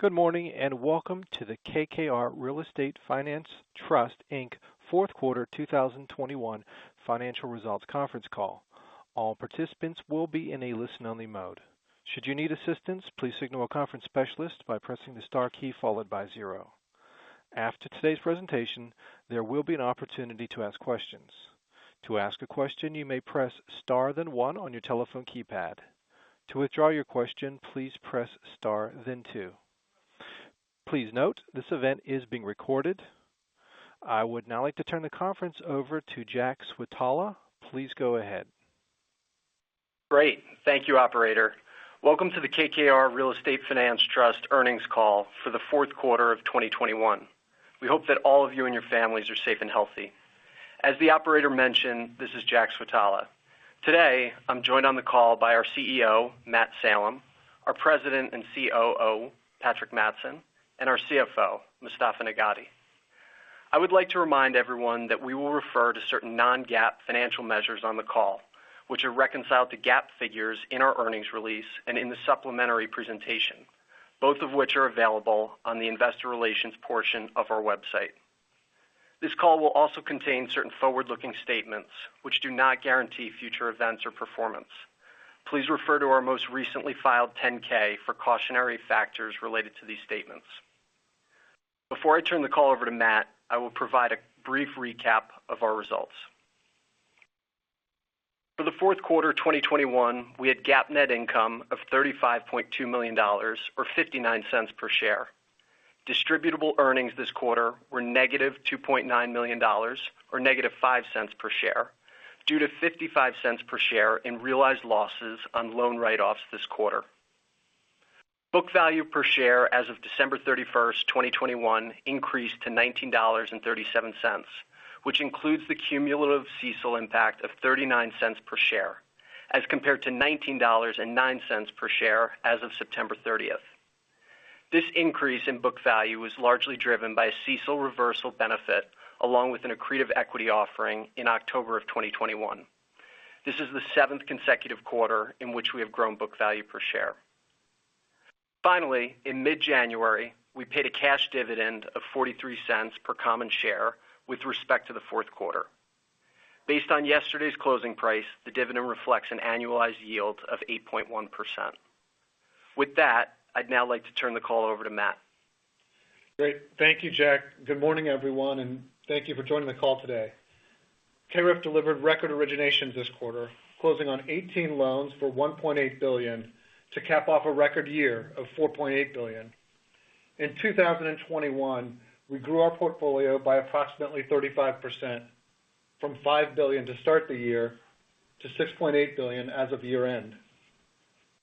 Good morning, and welcome to the KKR Real Estate Finance Trust Inc. fourth quarter 2021 financial results conference call. All participants will be in a listen-only mode. Should you need assistance, please signal a conference specialist by pressing the star key followed by zero. After today's presentation, there will be an opportunity to ask questions. To ask a question, you may press star then one on your telephone keypad. To withdraw your question, please press star then two. Please note, this event is being recorded. I would now like to turn the conference over to Jack Switala. Please go ahead. Great. Thank you, operator. Welcome to the KKR Real Estate Finance Trust earnings call for the fourth quarter of 2021. We hope that all of you and your families are safe and healthy. As the operator mentioned, this is Jack Switala. Today, I'm joined on the call by our CEO, Matt Salem, our President and COO, Patrick Mattson, and our CFO, Mostafa Nagaty. I would like to remind everyone that we will refer to certain non-GAAP financial measures on the call, which are reconciled to GAAP figures in our earnings release and in the supplementary presentation, both of which are available on the investor relations portion of our website. This call will also contain certain forward-looking statements which do not guarantee future events or performance. Please refer to our most recently filed Form 10-K for cautionary factors related to these statements. Before I turn the call over to Matt, I will provide a brief recap of our results. For the fourth quarter 2021, we had GAAP net income of $35.2 million or $0.59 per share. Distributable earnings this quarter were -$2.9 million or -$0.05 per share, due to $0.55 per share in realized losses on loan write-offs this quarter. Book value per share as of December 31, 2021 increased to $19.37, which includes the cumulative CECL impact of $0.39 per share as compared to $19.09 per share as of September 30, 2021. This increase in book value was largely driven by a CECL reversal benefit along with an accretive equity offering in October 2021. This is the seventh consecutive quarter in which we have grown book value per share. Finally, in mid-January, we paid a cash dividend of $0.43 per common share with respect to the fourth quarter. Based on yesterday's closing price, the dividend reflects an annualized yield of 8.1%. With that, I'd now like to turn the call over to Matt. Great. Thank you, Jack. Good morning, everyone, and thank you for joining the call today. KREF delivered record originations this quarter, closing on 18 loans for $1.8 billion to cap off a record year of $4.8 billion. In 2021, we grew our portfolio by approximately 35% from $5 billion to start the year to $6.8 billion as of year-end.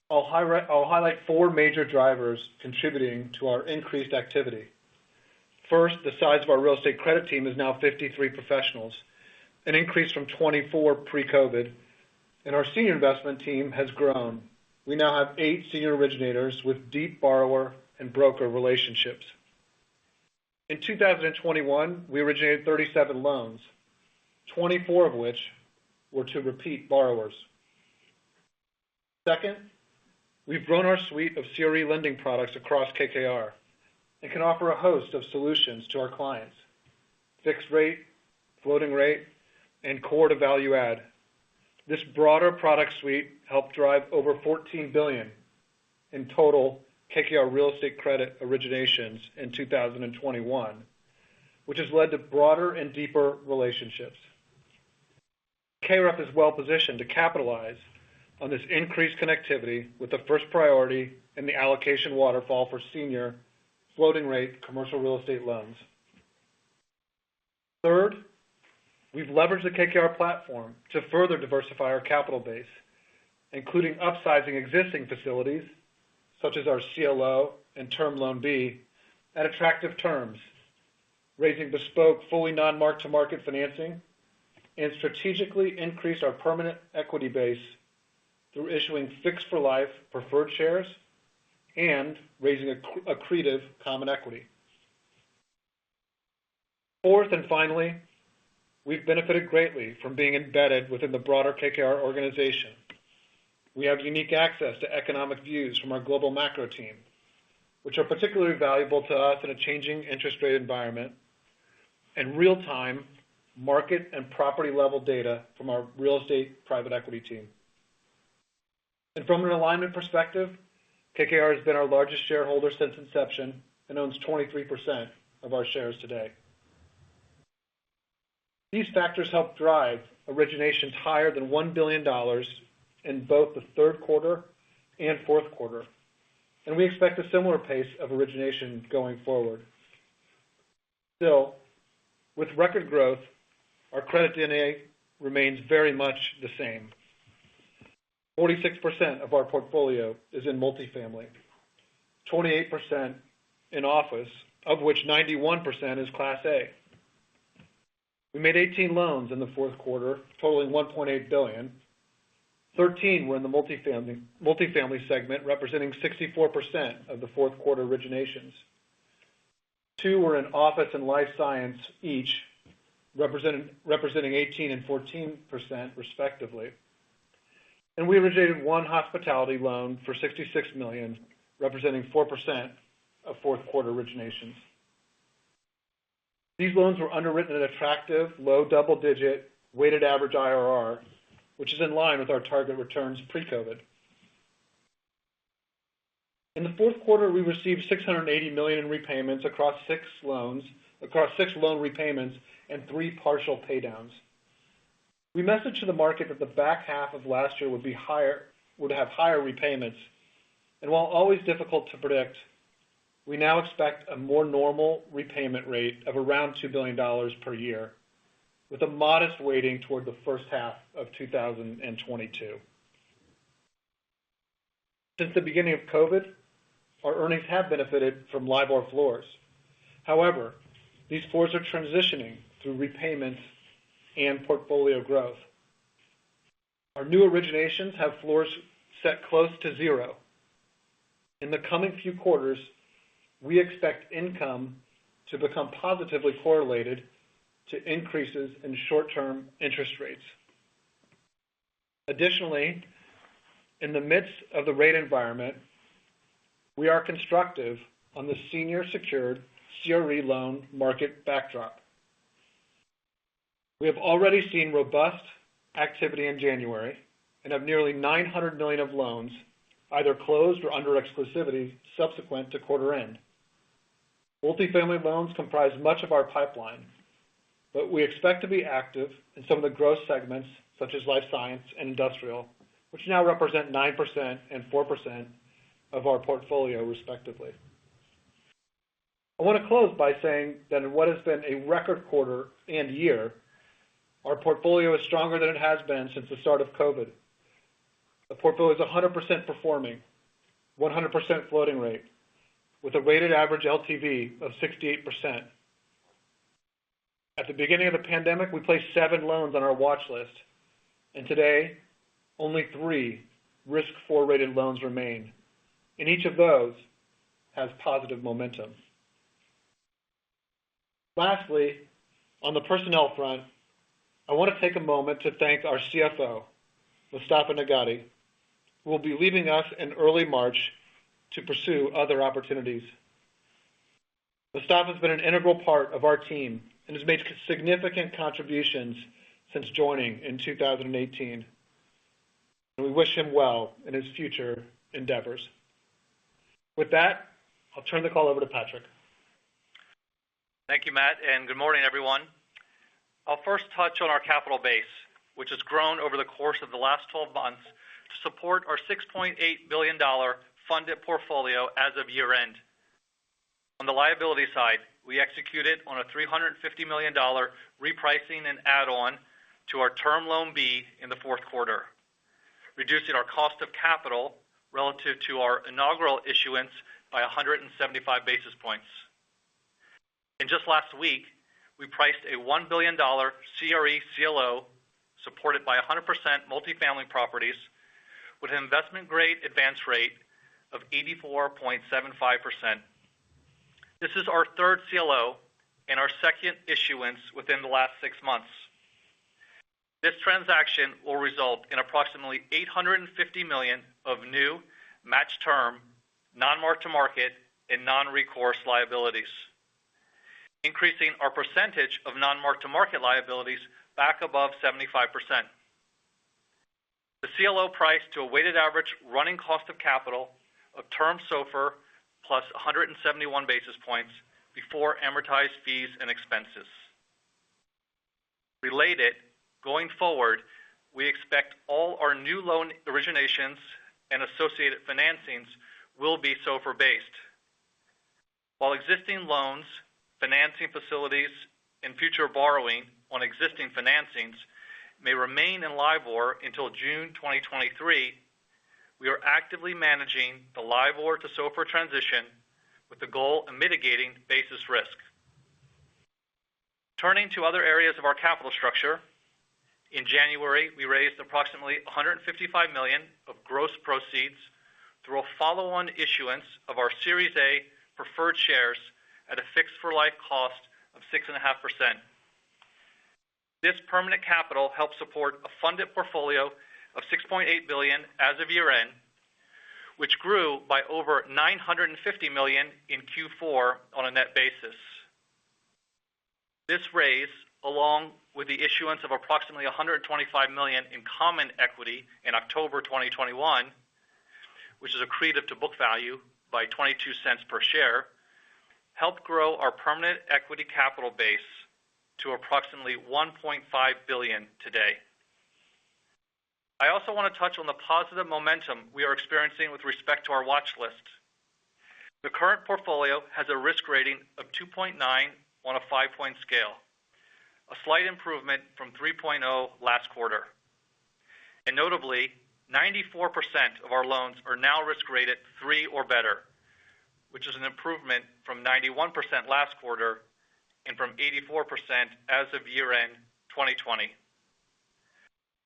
I'll highlight 4 major drivers contributing to our increased activity. First, the size of our real estate credit team is now 53 professionals, an increase from 24 pre-COVID, and our senior investment team has grown. We now have 8 senior originators with deep borrower and broker relationships. In 2021, we originated 37 loans, 24 of which were to repeat borrowers. Second, we've grown our suite of CRE lending products across KKR and can offer a host of solutions to our clients. Fixed rate, floating rate, and core-to-value-add. This broader product suite helped drive over $14 billion in total KKR Real Estate credit originations in 2021, which has led to broader and deeper relationships. KREF is well positioned to capitalize on this increased connectivity with the first priority in the allocation waterfall for senior floating rate commercial real estate loans. Third, we've leveraged the KKR platform to further diversify our capital base, including upsizing existing facilities such as our CLO and Term Loan B at attractive terms, raising bespoke fully non-mark-to-market financing, and strategically increase our permanent equity base through issuing fixed-for-life preferred shares and raising accretive common equity. Fourth and finally, we've benefited greatly from being embedded within the broader KKR organization. We have unique access to economic views from our global macro team, which are particularly valuable to us in a changing interest rate environment and real-time market and property-level data from our real estate private equity team. From an alignment perspective, KKR has been our largest shareholder since inception and owns 23% of our shares today. These factors help drive originations higher than $1 billion in both the third quarter and fourth quarter, and we expect a similar pace of origination going forward. Still, with record growth, our credit DNA remains very much the same. 46% of our portfolio is in multifamily. 28% in office, of which 91% is Class A. We made 18 loans in the fourth quarter, totaling $1.8 billion. 13 were in the multifamily segment, representing 64% of the fourth quarter originations. 2 were in office and life science each, representing 18% and 14% respectively. We originated 1 hospitality loan for $66 million, representing 4% of fourth quarter originations. These loans were underwritten at attractive low double-digit weighted average IRR, which is in line with our target returns pre-COVID. In the fourth quarter, we received $680 million in repayments across 6 loan repayments and 3 partial pay downs. We messaged to the market that the back half of last year would have higher repayments. While always difficult to predict, we now expect a more normal repayment rate of around $2 billion per year, with a modest weighting toward the first half of 2022. Since the beginning of COVID, our earnings have benefited from LIBOR floors. However, these floors are transitioning through repayments and portfolio growth. Our new originations have floors set close to zero. In the coming few quarters, we expect income to become positively correlated to increases in short-term interest rates. Additionally, in the midst of the rate environment, we are constructive on the senior secured CRE loan market backdrop. We have already seen robust activity in January and have nearly $900 million of loans either closed or under exclusivity subsequent to quarter end. Multifamily loans comprise much of our pipeline, but we expect to be active in some of the growth segments such as life science and industrial, which now represent 9% and 4% of our portfolio, respectively. I want to close by saying that in what has been a record quarter and year, our portfolio is stronger than it has been since the start of COVID. The portfolio is 100% performing, 100% floating rate, with a weighted average LTV of 68%. At the beginning of the pandemic, we placed 7 loans on our watch list, and today only 3 risk four-rated loans remain, and each of those has positive momentum. Lastly, on the personnel front, I want to take a moment to thank our CFO, Mostafa Nagaty, who will be leaving us in early March to pursue other opportunities. Mostafa has been an integral part of our team and has made significant contributions since joining in 2018. We wish him well in his future endeavors. With that, I'll turn the call over to Patrick. Thank you, Matt, and good morning, everyone. I'll first touch on our capital base, which has grown over the course of the last 12 months to support our $6.8 billion funded portfolio as of year-end. On the liability side, we executed on a $350 million repricing and add-on to our term loan B in the fourth quarter, reducing our cost of capital relative to our inaugural issuance by 175 basis points. Just last week, we priced a $1 billion CRE CLO supported by 100% multifamily properties with an investment-grade advance rate of 84.75%. This is our third CLO and our second issuance within the last 6 months. This transaction will result in approximately $850 million of new matched term, non-mark-to-market and non-recourse liabilities, increasing our percentage of non-mark-to-market liabilities back above 75%. The CLO priced to a weighted average running cost of capital of Term SOFR plus 171 basis points before amortized fees and expenses. Related, going forward, we expect all our new loan originations and associated financings will be SOFR-based. While existing loans, financing facilities, and future borrowing on existing financings may remain in LIBOR until June 2023, we are actively managing the LIBOR to SOFR transition with the goal of mitigating basis risk. Turning to other areas of our capital structure, in January, we raised approximately $155 million of gross proceeds through a follow-on issuance of our Series A preferred shares at a fixed for life cost of 6.5%. This permanent capital helps support a funded portfolio of $6.8 billion as of year-end, which grew by over $950 million in Q4 on a net basis. This raise, along with the issuance of approximately $125 million in common equity in October 2021, which is accretive to book value by $0.22 per share, helped grow our permanent equity capital base to approximately $1.5 billion today. I also want to touch on the positive momentum we are experiencing with respect to our watch list. The current portfolio has a risk rating of 2.9 on a 5-point scale, a slight improvement from 3.0 last quarter. Notably, 94% of our loans are now risk rated 3 or better, which is an improvement from 91% last quarter and from 84% as of year-end 2020.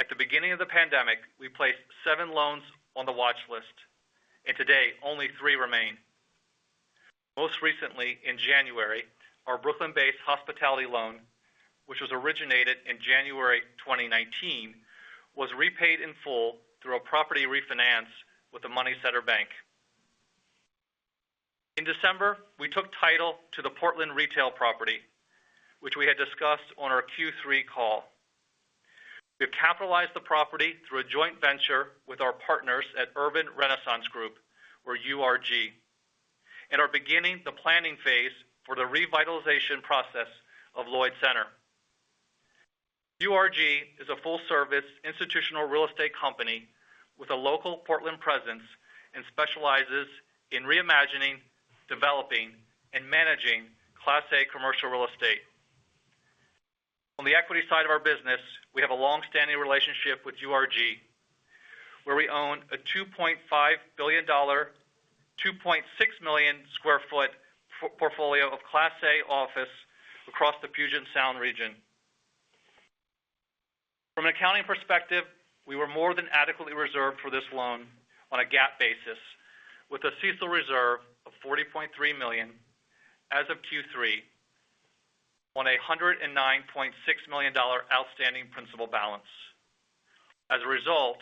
At the beginning of the pandemic, we placed 7 loans on the watch list, and today only 3 remain. Most recently, in January, our Brooklyn-based hospitality loan, which was originated in January 2019, was repaid in full through a property refinance with the Money Setter Bank. In December, we took title to the Portland retail property, which we had discussed on our Q3 call. We've capitalized the property through a joint venture with our partners at Urban Renaissance Group or URG, and are beginning the planning phase for the revitalization process of Lloyd Center. URG is a full-service institutional real estate company with a local Portland presence and specializes in reimagining, developing, and managing Class A commercial real estate. On the equity side of our business, we have a long-standing relationship with URG, where we own a $2.5 billion, 2.6 million sq ft portfolio of Class A office across the Puget Sound region. From an accounting perspective, we were more than adequately reserved for this loan on a GAAP basis with a CECL reserve of $40.3 million as of Q3 on a $109.6 million outstanding principal balance. As a result,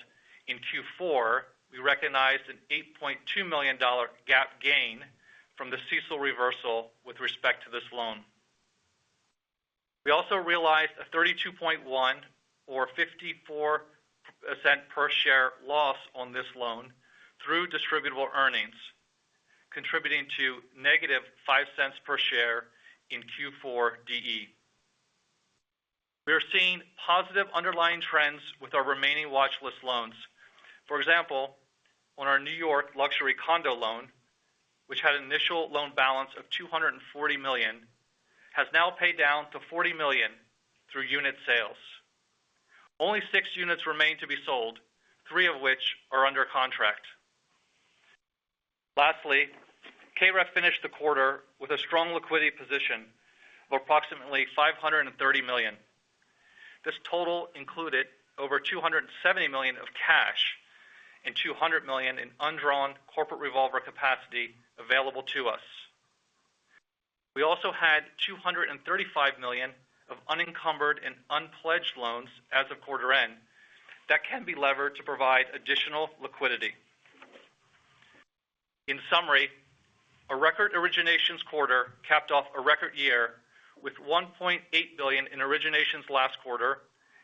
in Q4, we recognized an $8.2 million GAAP gain from the CECL reversal with respect to this loan. We also realized a 32.1 or 54% per share loss on this loan through distributable earnings, contributing to -$0.05 per share in Q4 DE. We are seeing positive underlying trends with our remaining watch list loans. For example, on our New York luxury condo loan, which had an initial loan balance of $240 million, has now paid down to $40 million through unit sales. Only six units remain to be sold, three of which are under contract. Lastly, KREF finished the quarter with a strong liquidity position of approximately $530 million. This total included over $270 million of cash and $200 million in undrawn corporate revolver capacity available to us. We also had $235 million of unencumbered and unpledged loans as of quarter end that can be levered to provide additional liquidity. In summary, a record originations quarter capped off a record year with $1.8 billion in originations last quarter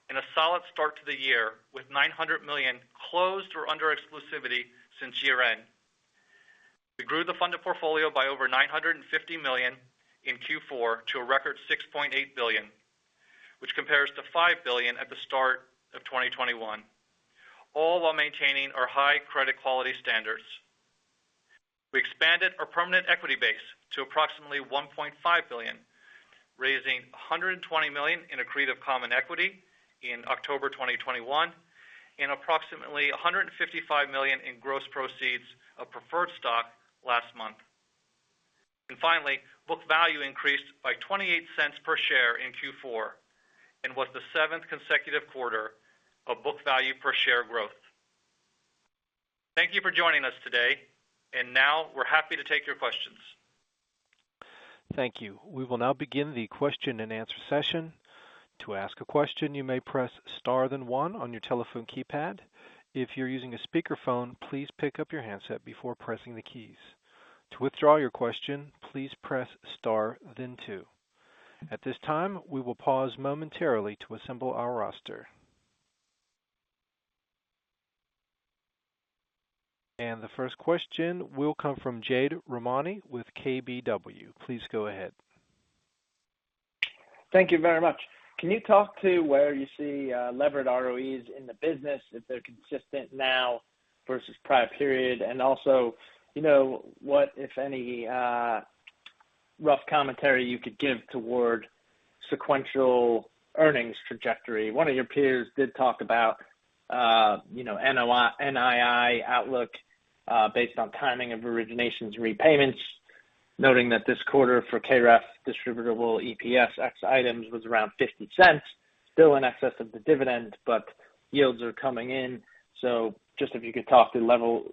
and a solid start to the year with $900 million closed or under exclusivity since year-end. We grew the funded portfolio by over $950 million in Q4 to a record $6.8 billion, which compares to $5 billion at the start of 2021, all while maintaining our high credit quality standards. We expanded our permanent equity base to approximately $1.5 billion, raising $120 million in accretive common equity in October 2021, and approximately $155 million in gross proceeds of preferred stock last month. Finally, book value increased by $0.28 per share in Q4 and was the seventh consecutive quarter of book value per share growth. Thank you for joining us today. Now we're happy to take your questions. Thank you. We will now begin the question and answer session. To ask a question, you may press star then one on your telephone keypad. If you're using a speakerphone, please pick up your handset before pressing the keys. To withdraw your question, please press star then two. At this time, we will pause momentarily to assemble our roster. The first question will come from Jade Rahmani with KBW. Please go ahead. Thank you very much. Can you talk to where you see levered ROEs in the business if they're consistent now versus prior period? And also, you know, what if any rough commentary you could give toward sequential earnings trajectory? One of your peers did talk about, you know, NII outlook based on timing of originations repayments, noting that this quarter for KREF distributable EPS ex items was around $0.50, still in excess of the dividend, but yields are coming in. Just if you could talk to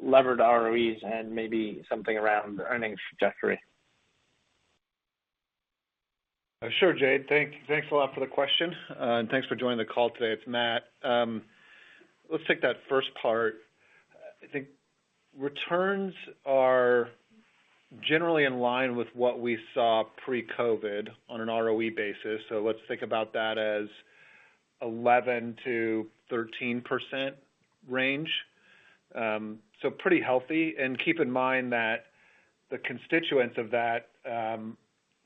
levered ROEs and maybe something around earnings trajectory. Sure, Jade. Thanks a lot for the question. Thanks for joining the call today. It's Matt. Let's take that first part. I think returns are generally in line with what we saw pre-COVID on an ROE basis. Let's think about that as 11%-13% range. Pretty healthy. Keep in mind that the constituents of that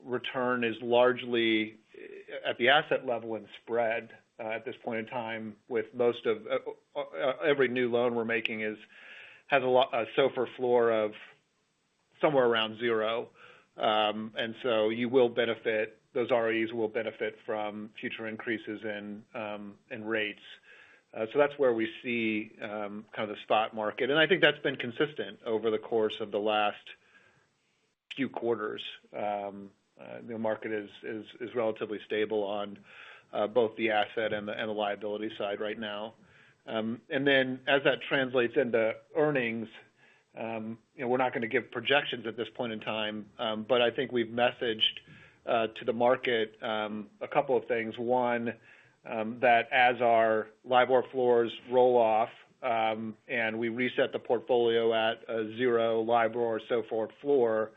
return is largely at the asset level and spread at this point in time, with most of every new loan we're making has a SOFR floor of somewhere around zero. Those ROEs will benefit from future increases in rates. That's where we see kind of the spot market. I think that's been consistent over the course of the last few quarters, the market is relatively stable on both the asset and the liability side right now. As that translates into earnings, you know, we're not gonna give projections at this point in time. I think we've messaged to the market a couple of things. One, that as our LIBOR floors roll off and we reset the portfolio at a zero LIBOR or SOFR floor,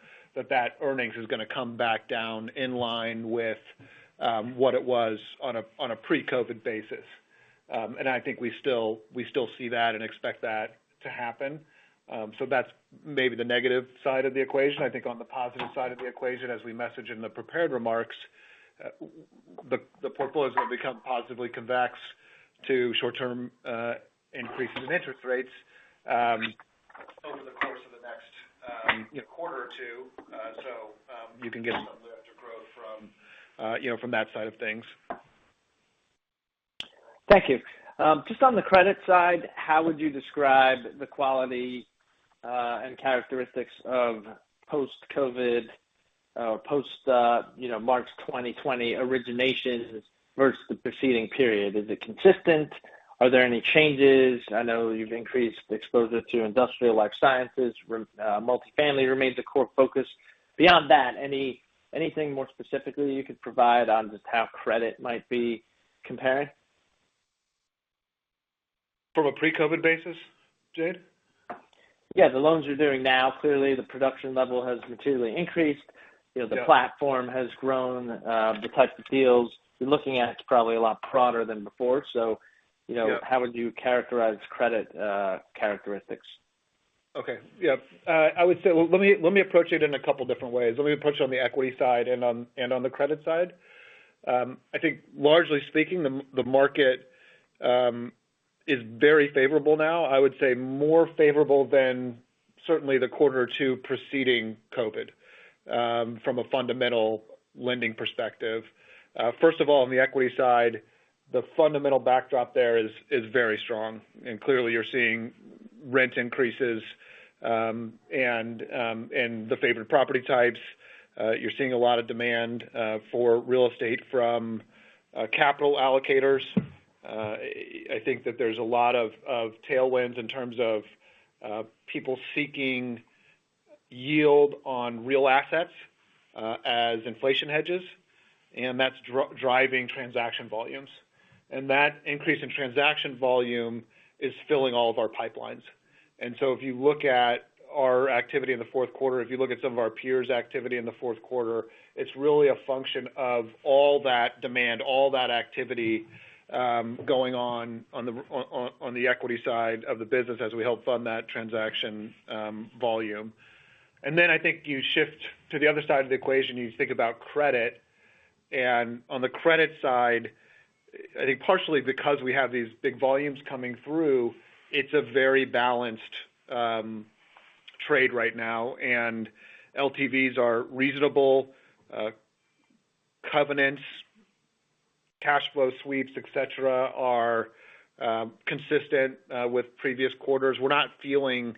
that earnings is gonna come back down in line with what it was on a pre-COVID basis. I think we still see that and expect that to happen. That's maybe the negative side of the equation. I think on the positive side of the equation, as we message in the prepared remarks, the portfolio is gonna become positively convex to short-term increases in interest rates, over the course of the next, you know, quarter or two. You can get some lift or growth from, you know, from that side of things. Thank you. Just on the credit side, how would you describe the quality and characteristics of post-COVID or post, you know, March 2020 originations versus the preceding period? Is it consistent? Are there any changes? I know you've increased the exposure to industrial life sciences. Multifamily remains a core focus. Beyond that, anything more specifically you could provide on just how credit might be comparing? From a pre-COVID basis, Jade? Yeah. The loans you're doing now. Clearly the production level has materially increased. You know. Yeah The platform has grown. The types of deals you're looking at is probably a lot broader than before. You know Yeah... how would you characterize credit characteristics? I would say. Well, let me approach it in a couple different ways. Let me approach it on the equity side and on the credit side. I think largely speaking, the market is very favorable now. I would say more favorable than certainly the quarter or two preceding COVID, from a fundamental lending perspective. First of all, on the equity side, the fundamental backdrop there is very strong. Clearly you're seeing rent increases, and the favored property types. You're seeing a lot of demand for real estate from capital allocators. I think that there's a lot of tailwinds in terms of people seeking yield on real assets, as inflation hedges, and that's driving transaction volumes. That increase in transaction volume is filling all of our pipelines. If you look at our activity in the fourth quarter, if you look at some of our peers' activity in the fourth quarter, it's really a function of all that demand, all that activity, going on the equity side of the business as we help fund that transaction volume. I think you shift to the other side of the equation, you think about credit. On the credit side, I think partially because we have these big volumes coming through, it's a very balanced trade right now, and LTVs are reasonable. Covenants, cash flow sweeps, et cetera, are consistent with previous quarters. We're not feeling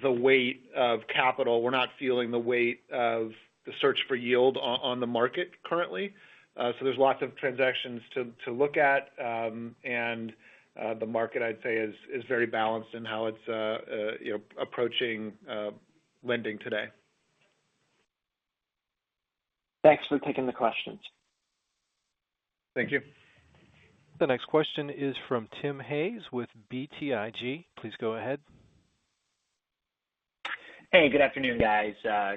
the weight of capital. We're not feeling the weight of the search for yield on the market currently. There's lots of transactions to look at. The market I'd say is very balanced in how it's you know approaching lending today. Thanks for taking the questions. Thank you. The next question is from Timothy Hayes with BTIG. Please go ahead. Hey, good afternoon, guys.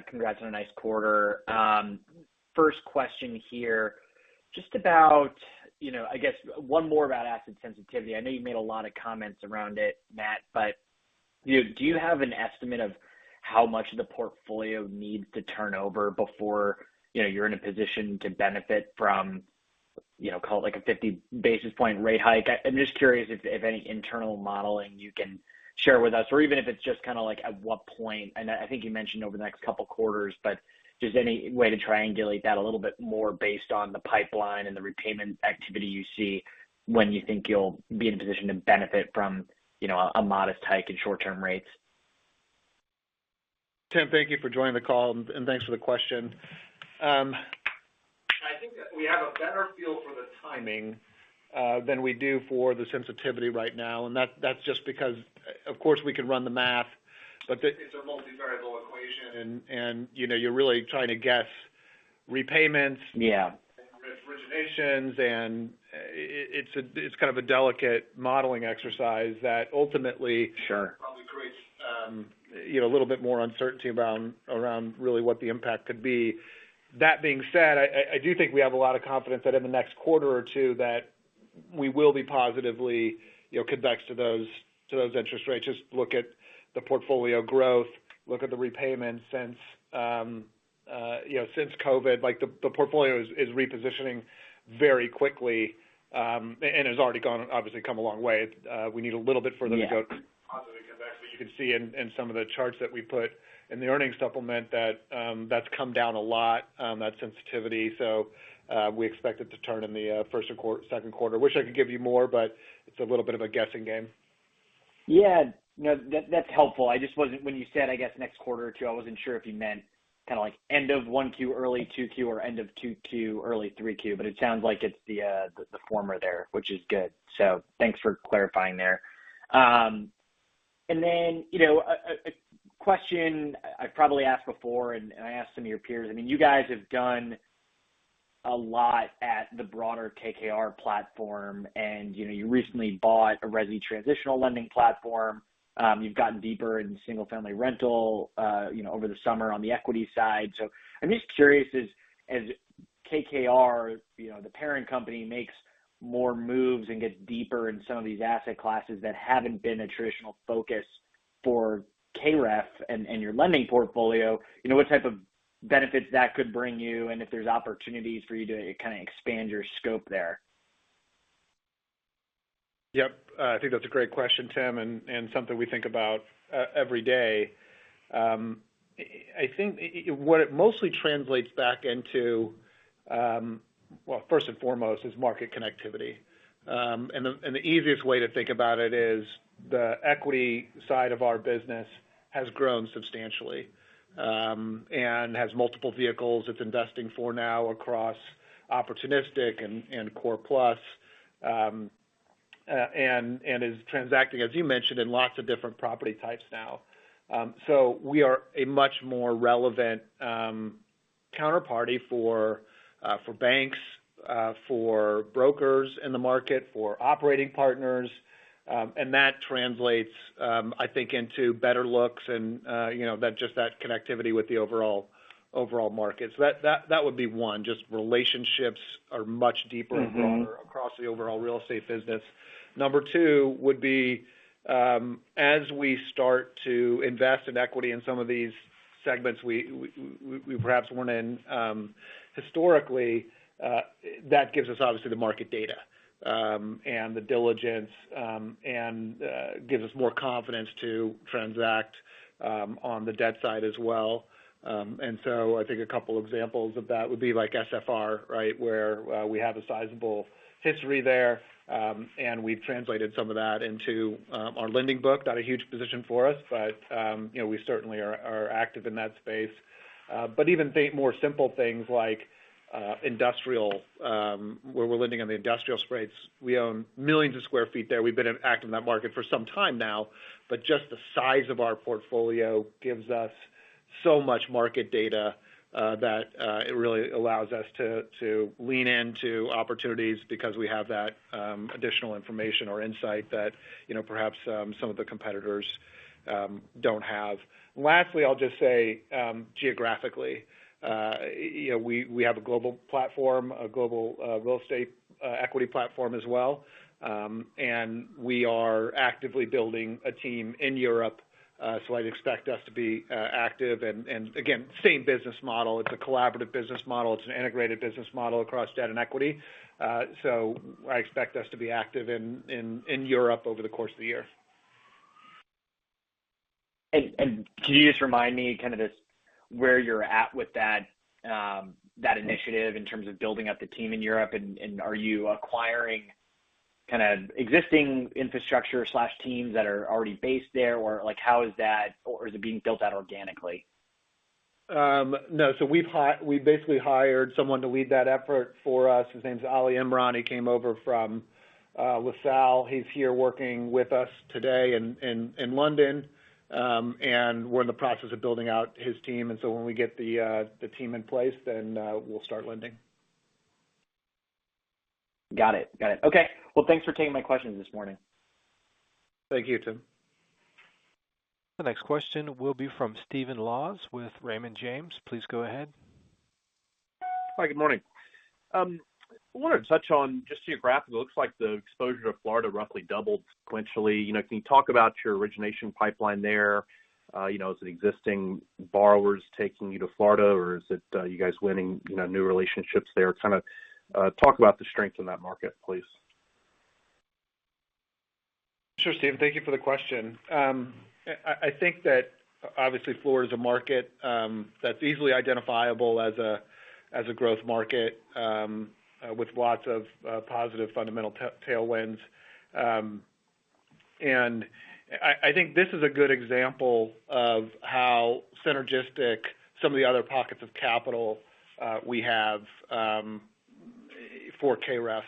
Congrats on a nice quarter. First question here, just about, you know, I guess one more about asset sensitivity. I know you made a lot of comments around it, Matt, but, you know, do you have an estimate of how much of the portfolio needs to turn over before, you know, you're in a position to benefit from, you know, call it like a 50 basis point rate hike? I'm just curious if any internal modeling you can share with us or even if it's just kinda like at what point. I think you mentioned over the next couple quarters, but just any way to triangulate that a little bit more based on the pipeline and the repayment activity you see when you think you'll be in a position to benefit from, you know, a modest hike in short-term rates. Tim, thank you for joining the call, and thanks for the question. I think that we have a better feel for the timing than we do for the sensitivity right now. That's just because, of course, we can run the math, but it's a multivariable equation and, you know, you're really trying to guess repayments- Yeah... and originations, and it's kind of a delicate modeling exercise that ultimately- Sure... probably creates, you know, a little bit more uncertainty around really what the impact could be. That being said, I do think we have a lot of confidence that in the next quarter or two that we will be positively, you know, convex to those interest rates. Just look at the portfolio growth. Look at the repayments since, you know, since COVID. Like the portfolio is repositioning very quickly, and has already obviously come a long way. We need a little bit further- Yeah To go to positive convex. You can see in some of the charts that we put in the earnings supplement that that's come down a lot, that sensitivity. We expect it to turn in the first or second quarter. I wish I could give you more, but it's a little bit of a guessing game. Yeah. No, that's helpful. I just wasn't when you said, I guess, next quarter or two, I wasn't sure if you meant kinda like end of one Q, early two Q, or end of two Q, early three Q. But it sounds like it's the former there, which is good. Thanks for clarifying there. Then, you know, a question I probably asked before, and I asked some of your peers. I mean, you guys have done a lot at the broader KKR platform. You know, you recently bought a resi transitional lending platform. You've gotten deeper in single-family rental, you know, over the summer on the equity side. I'm just curious as KKR, you know, the parent company makes more moves and gets deeper in some of these asset classes that haven't been a traditional focus for KREF and your lending portfolio, you know, what type of benefits that could bring you, and if there's opportunities for you to kind of expand your scope there. Yep. I think that's a great question, Tim, and something we think about every day. I think what it mostly translates back into, well, first and foremost is market connectivity. And the easiest way to think about it is the equity side of our business has grown substantially, and has multiple vehicles it's investing for now across opportunistic and core plus. And is transacting, as you mentioned, in lots of different property types now. So we are a much more relevant counterparty for banks, for brokers in the market, for operating partners. And that translates, I think into better looks and, you know, just that connectivity with the overall market. So that would be one, just relationships are much deeper. Mm-hmm Broader across the overall real estate business. Number two would be, as we start to invest in equity in some of these segments we perhaps weren't in historically, that gives us obviously the market data and the diligence, and gives us more confidence to transact on the debt side as well. I think a couple examples of that would be like SFR, right, where we have a sizable history there. We've translated some of that into our lending book. Not a huge position for us, but you know, we certainly are active in that space. Even more simple things like industrial, where we're lending on the industrial space. We own millions of square feet there. We've been active in that market for some time now, but just the size of our portfolio gives us so much market data that it really allows us to lean into opportunities because we have that additional information or insight that, you know, perhaps some of the competitors don't have. Lastly, I'll just say geographically, you know, we have a global platform, a global real estate equity platform as well. We are actively building a team in Europe. I'd expect us to be active. Again, same business model. It's a collaborative business model. It's an integrated business model across debt and equity. I expect us to be active in Europe over the course of the year. Can you just remind me kind of just where you're at with that that initiative in terms of building up the team in Europe? Are you acquiring kind of existing infrastructure, teams that are already based there? Like, how is that? Is it being built out organically? No. We've basically hired someone to lead that effort for us. His name is Ali Imraan. He came over from LaSalle. He's here working with us today in London. We're in the process of building out his team. When we get the team in place, then we'll start lending. Got it. Okay. Well, thanks for taking my questions this morning. Thank you, Tim. The next question will be from Stephen Laws with Raymond James. Please go ahead. Hi, good morning. I wanted to touch on just geographical. It looks like the exposure to Florida roughly doubled sequentially. You know, can you talk about your origination pipeline there? You know, is it existing borrowers taking you to Florida, or is it, you guys winning, you know, new relationships there? Kind of, talk about the strength in that market, please. Sure, Stephen, thank you for the question. I think that obviously Florida is a market that's easily identifiable as a growth market with lots of positive fundamental tailwinds. I think this is a good example of how synergistic some of the other pockets of capital we have for KREF.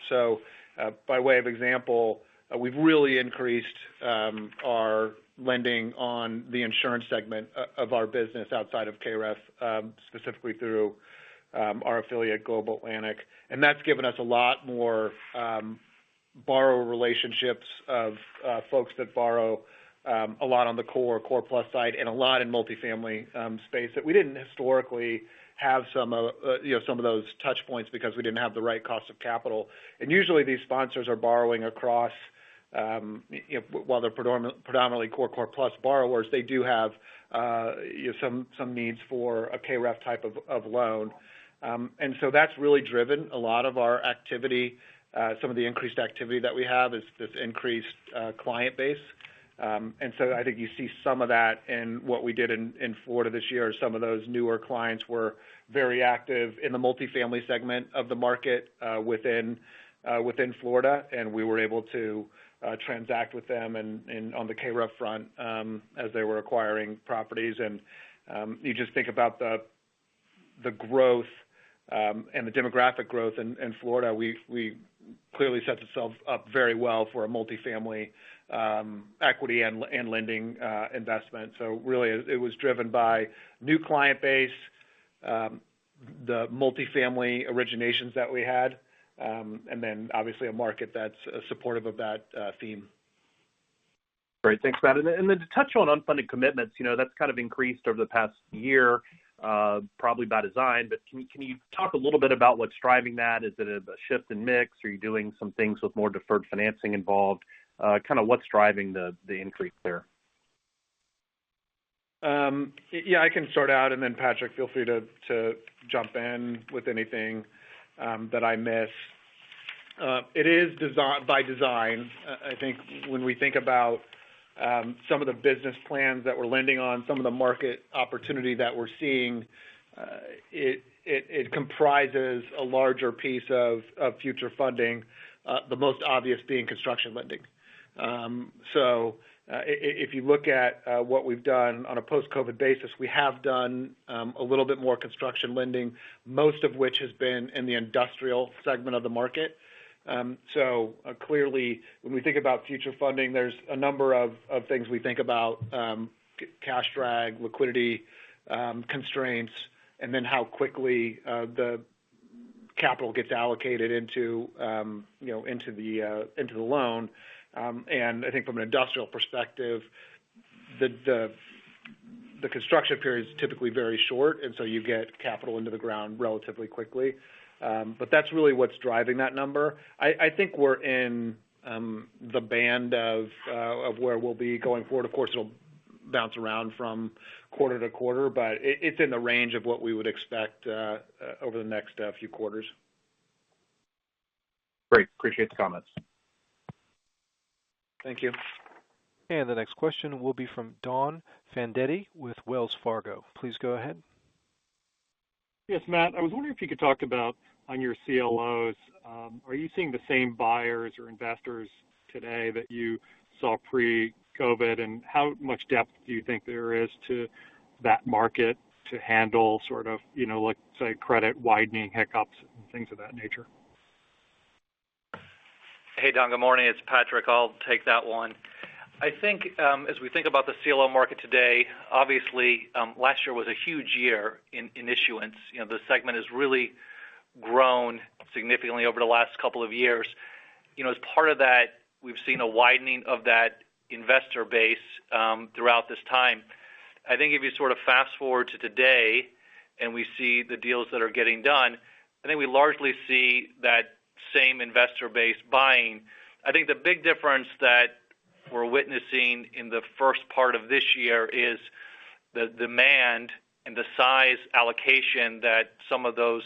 By way of example, we've really increased our lending on the insurance segment of our business outside of KREF, specifically through our affiliate, Global Atlantic. That's given us a lot more borrower relationships of folks that borrow a lot on the core plus side and a lot in multifamily space that we didn't historically have some of you know, some of those touch points because we didn't have the right cost of capital. Usually, these sponsors are borrowing across, you know, while they're predominantly core plus borrowers, they do have, you know, some needs for a KREF type of loan. That's really driven a lot of our activity. Some of the increased activity that we have is this increased client base. I think you see some of that in what we did in Florida this year. Some of those newer clients were very active in the multifamily segment of the market, within Florida, and we were able to transact with them and on the KREF front, as they were acquiring properties. You just think about the growth and the demographic growth in Florida. We clearly set ourselves up very well for a multifamily equity and lending investment. Really, it was driven by new client base, the multifamily originations that we had, and then obviously a market that's supportive of that theme. Great. Thanks, Matt. To touch on unfunded commitments, you know, that's kind of increased over the past year, probably by design. Can you talk a little bit about what's driving that? Is it a shift in mix? Are you doing some things with more deferred financing involved? Kind of what's driving the increase there? Yeah, I can start out, and then Patrick, feel free to jump in with anything that I miss. It is by design. I think when we think about some of the business plans that we're lending on, some of the market opportunity that we're seeing, it comprises a larger piece of future funding, the most obvious being construction lending. If you look at what we've done on a post-COVID basis, we have done a little bit more construction lending, most of which has been in the industrial segment of the market. Clearly, when we think about future funding, there's a number of things we think about, cash drag, liquidity, constraints, and then how quickly the capital gets allocated into you know, into the loan. I think from an industrial perspective, the construction period is typically very short, and so you get capital into the ground relatively quickly. That's really what's driving that number. I think we're in the band of where we'll be going forward. Of course, it'll bounce around from quarter to quarter, but it's in the range of what we would expect over the next few quarters. Great. I appreciate the comments. Thank you. The next question will be from Donald Fandetti with Wells Fargo. Please go ahead. Yes, Matt. I was wondering if you could talk about on your CLOs, are you seeing the same buyers or investors today that you saw pre-COVID? How much depth do you think there is to that market to handle sort of, you know, like, say, credit widening hiccups and things of that nature? Hey, Don. Good morning. It's Patrick. I'll take that one. I think as we think about the CLO market today, obviously last year was a huge year in issuance. You know, the segment has really grown significantly over the last couple of years. You know, as part of that, we've seen a widening of that investor base throughout this time. I think if you sort of fast-forward to today and we see the deals that are getting done, I think we largely see that same investor base buying. I think the big difference that we're witnessing in the first part of this year is the demand and the size allocation that some of those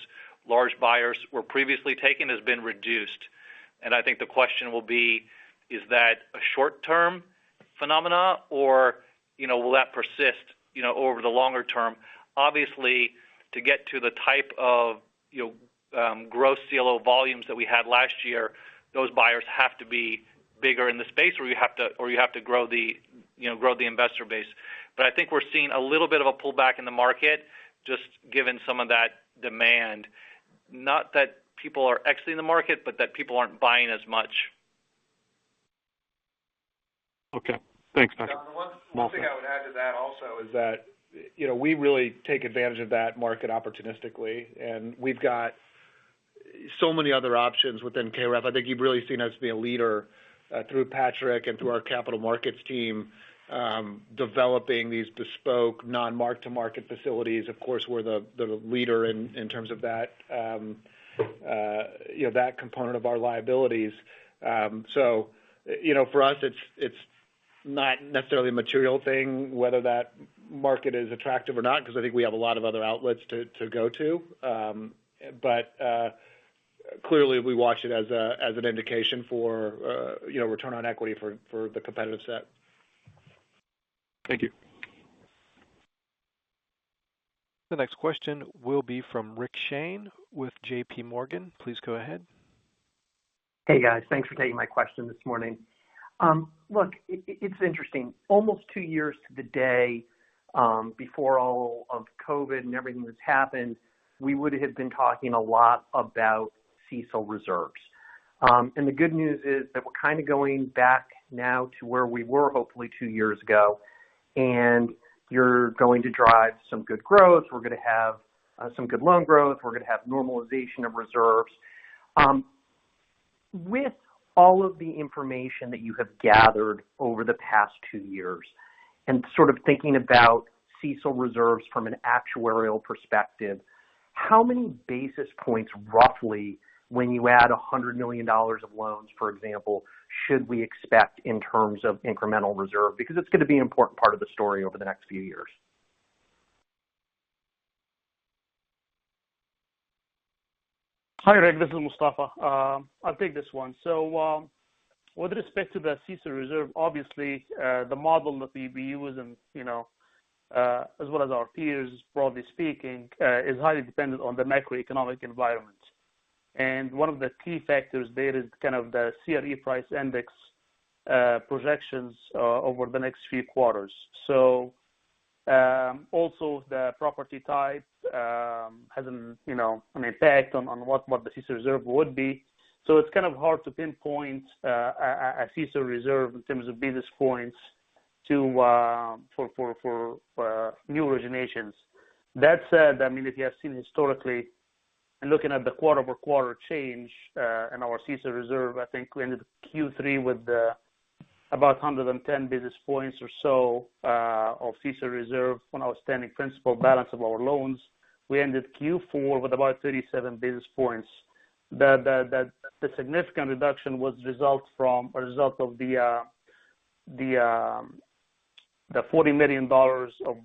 large buyers were previously taking has been reduced. I think the question will be, is that a short-term phenomenon or, you know, will that persist, you know, over the longer term? Obviously, to get to the type of, you know, gross CLO volumes that we had last year, those buyers have to be bigger in the space or you have to grow the, you know, investor base. I think we're seeing a little bit of a pullback in the market just given some of that demand. Not that people are exiting the market, but that people aren't buying as much. Okay. Thanks, Patrick. Don, the one- Welcome. One thing I would add to that also is that, you know, we really take advantage of that market opportunistically, and we've got so many other options within KREF. I think you've really seen us be a leader through Patrick and through our capital markets team developing these bespoke non-mark-to-market facilities. Of course, we're the leader in terms of that component of our liabilities. So you know, for us, it's not necessarily a material thing whether that market is attractive or not because I think we have a lot of other outlets to go to. But clearly, we watch it as an indication for return on equity for the competitive set. Thank you. The next question will be from Rick Shane with JPMorgan. Please go ahead. Hey, guys. Thanks for taking my question this morning. Look, it's interesting. Almost two years to the day before all of COVID and everything that's happened, we would have been talking a lot about CECL reserves. The good news is that we're kind of going back now to where we were, hopefully two years ago, and you're going to drive some good growth. We're gonna have some good loan growth. We're gonna have normalization of reserves. With all of the information that you have gathered over the past two years and sort of thinking about CECL reserves from an actuarial perspective, how many basis points, roughly, when you add $100 million of loans, for example, should we expect in terms of incremental reserve? Because it's gonna be an important part of the story over the next few years. Hi, Rick. This is Mostafa. I'll take this one. With respect to the CECL reserve, obviously, the model that we use and, you know, as well as our peers, broadly speaking, is highly dependent on the macroeconomic environment. One of the key factors there is kind of the CRE price index projections over the next few quarters. Also the property type has an, you know, an impact on what the CECL reserve would be. It's kind of hard to pinpoint a CECL reserve in terms of basis points for new originations. That said, I mean, if you have seen historically and looking at the quarter-over-quarter change in our CECL reserve, I think we ended Q3 with about 110 basis points or so of CECL reserve on outstanding principal balance of our loans. We ended Q4 with about 37 basis points. The significant reduction was a result of the $40 million of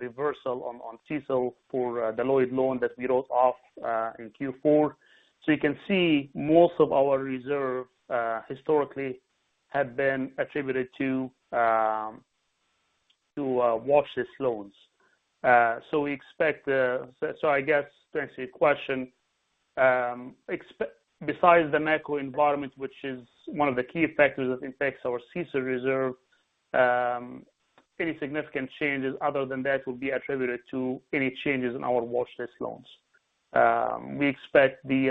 reversal on CECL for the Lloyd loan that we wrote off in Q4. You can see most of our reserve historically have been attributed to watch list loans. We expect. I guess to answer your question, besides the macro environment, which is one of the key factors that impacts our CECL reserve, any significant changes other than that will be attributed to any changes in our watchlist loans. We expect, in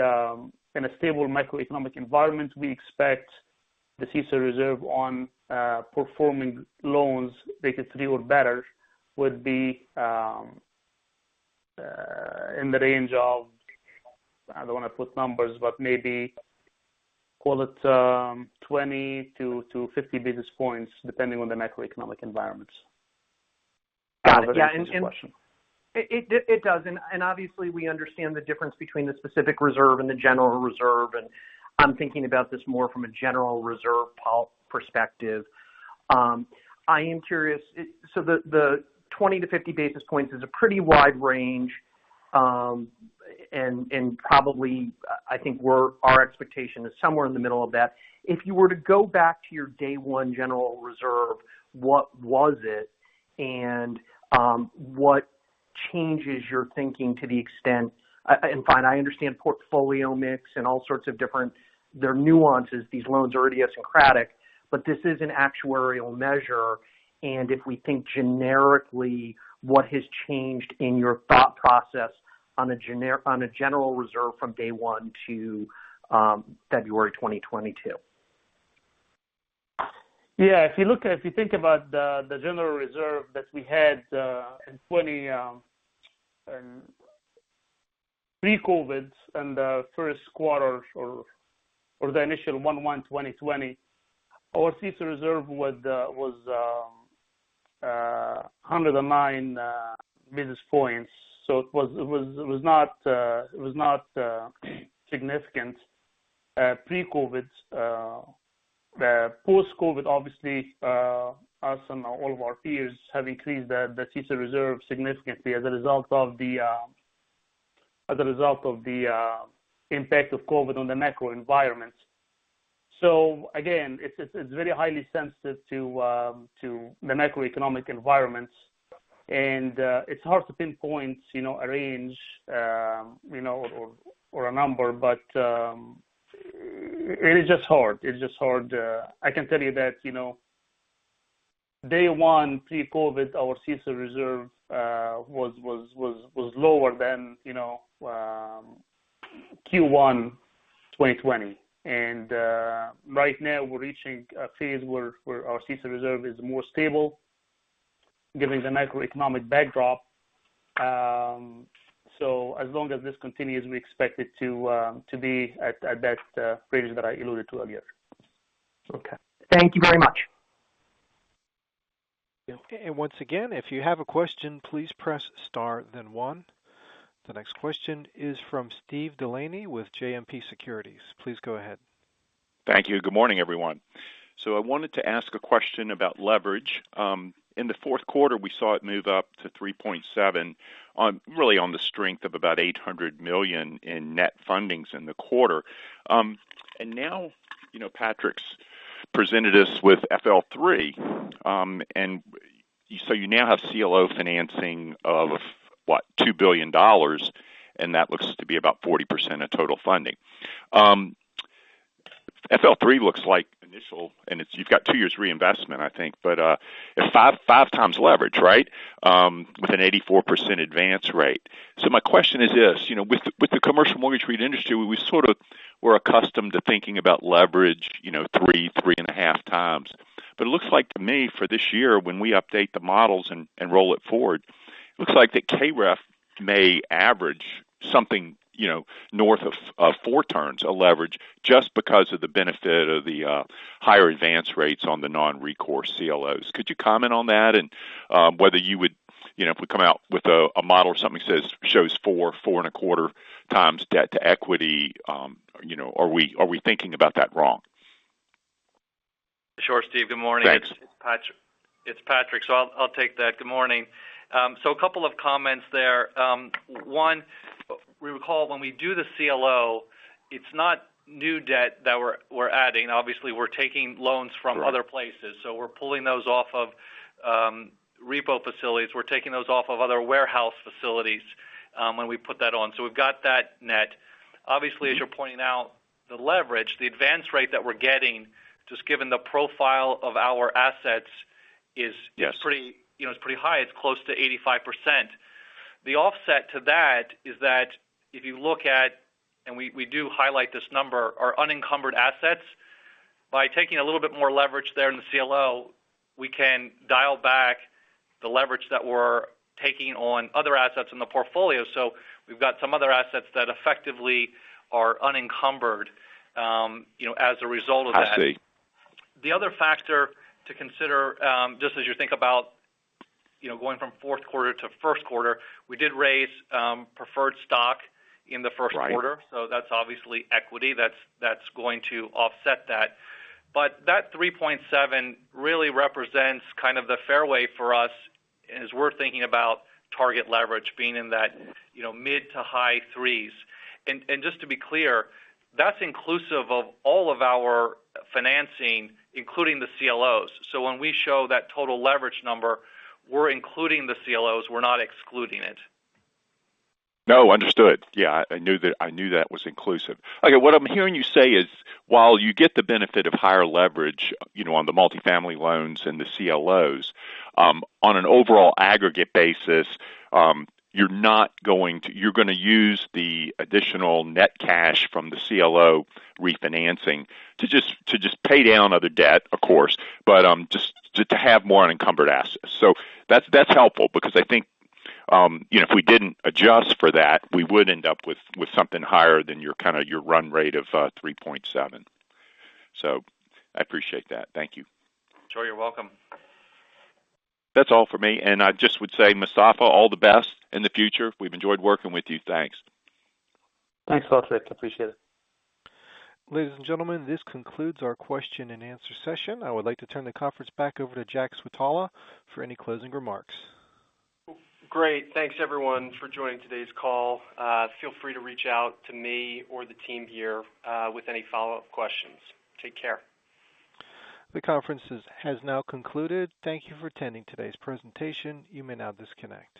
a stable macroeconomic environment, the CECL reserve on performing loans rated 3 or better would be in the range of 20-50 basis points, depending on the macroeconomic environment. I don't know if that answers your question. Yeah. It does. Obviously we understand the difference between the specific reserve and the general reserve, and I'm thinking about this more from a general reserve perspective. I am curious. The 20-50 basis points is a pretty wide range, and probably I think our expectation is somewhere in the middle of that. If you were to go back to your day one general reserve, what was it? What changes your thinking to the extent and fine, I understand portfolio mix and all sorts of different. There are nuances. These loans are idiosyncratic, but this is an actuarial measure, and if we think generically, what has changed in your thought process on a general reserve from day one to February 2022? If you think about the general reserve that we had in pre-COVID in the first quarter or the initial 1/1/2020, our CECL reserve was 109 basis points. So it was not significant pre-COVID. Post-COVID, obviously, us and all of our peers have increased the CECL reserve significantly as a result of the impact of COVID on the macro environment. So again, it's very highly sensitive to the macroeconomic environment. It's hard to pinpoint, you know, a range, you know, or a number. But it is just hard. It's just hard. I can tell you that, you know, day one pre-COVID, our CECL reserve was lower than, you know, Q1 2020. Right now we're reaching a phase where our CECL reserve is more stable given the macroeconomic backdrop. As long as this continues, we expect it to be at that range that I alluded to earlier. Okay. Thank you very much. Okay. Once again, if you have a question, please press star then one. The next question is from Steve DeLaney with JMP Securities. Please go ahead. Thank you. Good morning, everyone. I wanted to ask a question about leverage. In the fourth quarter, we saw it move up to 3.7 on the strength of about $800 million in net fundings in the quarter. Now, you know, Patrick's presented us with KREF 2022-FL3. You now have CLO financing of what? $2 billion, and that looks to be about 40% of total funding. KREF 2022-FL3 looks like initial and it's you've got 2 years reinvestment, I think. But 5x leverage, right? With an 84% advance rate. My question is this: You know, with the commercial mortgage REIT industry, we sort of were accustomed to thinking about leverage, you know, 3-3.5x. It looks like to me for this year when we update the models and roll it forward, it looks like that KREF may average something, you know, north of 4 turns of leverage just because of the benefit of the higher advance rates on the non-recourse CLOs. Could you comment on that and whether you would, you know, if we come out with a model or something shows 4.25x debt to equity, you know, are we thinking about that wrong? Sure, Steve. Good morning. Thanks. It's Patrick. I'll take that. Good morning. A couple of comments there. One, we recall when we do the CLO, it's not new debt that we're adding. Obviously, we're taking loans from- Right. Other places. We're pulling those off of repo facilities. We're taking those off of other warehouse facilities when we put that on. We've got that net. Obviously, as you're pointing out, the leverage, the advance rate that we're getting, just given the profile of our assets is- Yes. Pretty, you know, it's pretty high. It's close to 85%. The offset to that is that if you look at and we do highlight this number, our unencumbered assets. By taking a little bit more leverage there in the CLO, we can dial back the leverage that we're taking on other assets in the portfolio. We've got some other assets that effectively are unencumbered, you know, as a result of that. I see. The other factor to consider, just as you think about, you know, going from fourth quarter to first quarter, we did raise preferred stock in the first quarter. Right. That's obviously equity that's going to offset that. That 3.7 really represents kind of the fairway for us as we're thinking about target leverage being in that, you know, mid to high threes. Just to be clear, that's inclusive of all of our financing, including the CLOs. When we show that total leverage number, we're including the CLOs, we're not excluding it. No, understood. Yeah, I knew that was inclusive. Okay, what I'm hearing you say is, while you get the benefit of higher leverage, you know, on the multifamily loans and the CLOs, on an overall aggregate basis, you're gonna use the additional net cash from the CLO refinancing to just pay down other debt, of course, but just to have more unencumbered assets. So that's helpful because I think, you know, if we didn't adjust for that, we would end up with something higher than your kinda run rate of 3.7. So I appreciate that. Thank you. Sure. You're welcome. That's all for me. I just would say, Mostafa, all the best in the future. We've enjoyed working with you. Thanks. Thanks, Patrick. Appreciate it. Ladies and gentlemen, this concludes our question and answer session. I would like to turn the conference back over to Jack Switala for any closing remarks. Great. Thanks, everyone for joining today's call. Feel free to reach out to me or the team here, with any follow-up questions. Take care. The conference is, has now concluded. Thank you for attending today's presentation. You may now disconnect.